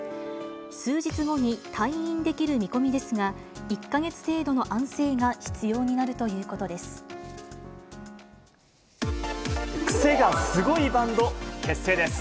数日後に退院できる見込みですが、１か月程度の安静が必要になるということです。